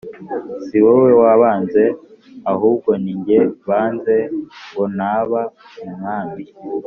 Si wowe banze ahubwo ni jye banze ngo ntaba umwami